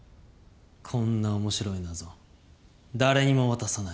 こんな面白い謎誰にも渡さない。